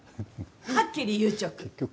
はっきり言うちょく！